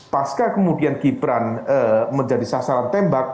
pasca kemudian gibran menjadi sasaran tembak